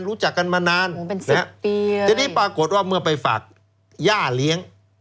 รู้จักกันมานานทีนี้ปรากฏว่าเมื่อไปฝากย่าเลี้ยง